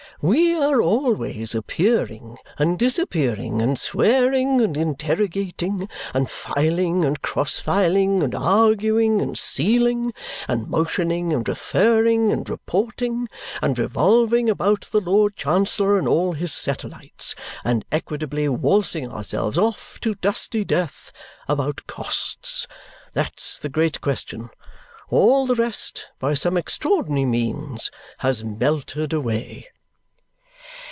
We are always appearing, and disappearing, and swearing, and interrogating, and filing, and cross filing, and arguing, and sealing, and motioning, and referring, and reporting, and revolving about the Lord Chancellor and all his satellites, and equitably waltzing ourselves off to dusty death, about costs. That's the great question. All the rest, by some extraordinary means, has melted away."